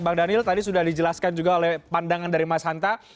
bang daniel tadi sudah dijelaskan juga oleh pandangan dari mas hanta